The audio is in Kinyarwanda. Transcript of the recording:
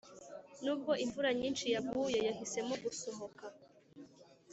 nubwo imvura nyinshi yaguye, yahisemo gusohoka